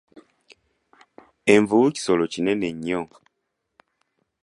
Envubu kisolo kinene nnyo.